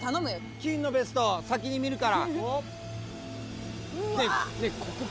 金のベスト、先に見るから。